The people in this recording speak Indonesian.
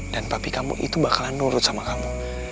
dan papi kamu itu bakalan nurut sama kamu